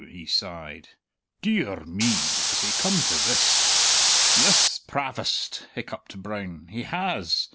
he sighed. "De ar me, has he come to this?" "Yis, Pravast," hiccupped Brown, "he has!